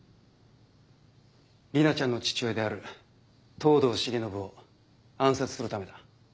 莉奈ちゃんの父親である藤堂繁信を暗殺するためだ。